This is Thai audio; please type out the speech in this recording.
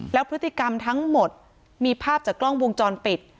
แล้วพฤติกรรมทั้งหมดมีภาพจากกล้องวงจรปิด